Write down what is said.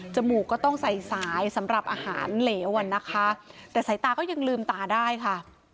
มูกก็ต้องใส่สายสำหรับอาหารเหลวอ่ะนะคะแต่สายตาก็ยังลืมตาได้ค่ะ